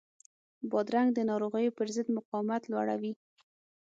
بادرنګ د ناروغیو پر ضد مقاومت لوړوي.